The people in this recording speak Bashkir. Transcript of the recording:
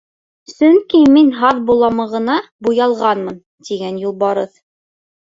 «Сөнки мин һаҙ боламығына буялғанмын», — тигән Юлбарыҫ.